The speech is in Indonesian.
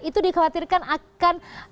itu dikhawatirkan akan